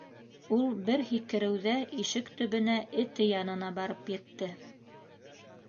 Ул бер һикереүҙә ишек төбөнә, эте янына, барып етте.